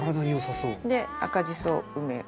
で赤じそ梅。